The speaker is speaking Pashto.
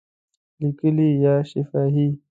لیکلي یا شفاهی؟